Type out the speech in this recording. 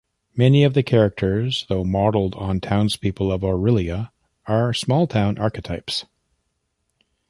Many of the characters, though modelled on townspeople of Orillia, are small town archetypes.